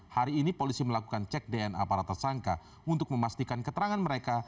hari ini polisi melakukan cek dna para tersangka untuk memastikan keterangan mereka